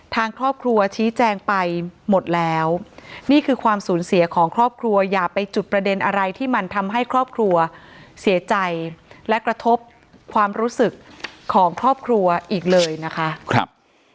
ทางครอบครัวชี้แจงไปหมดแล้วนี่คือความสูญเสียของครอบครัวอย่าไปจุดประเด็นอะไรที่มันทำให้ครอบครัวเสียใจและกระทบความรู้สึกของครอบครัวอีกเลยนะคะครับ